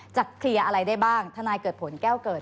เคลียร์อะไรได้บ้างทนายเกิดผลแก้วเกิด